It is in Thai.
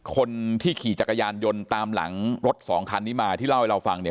คนที่ขี่จักรยานยนต์ตามหลังรถสองคันนี้มาที่เล่าให้เราฟังเนี่ย